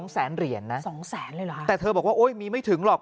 ๒แสนเหรียญนะแต่เธอบอกว่าโอ้ยมีไม่ถึงหรอก